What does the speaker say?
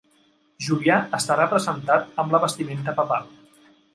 Julià està representat amb la vestimenta papal.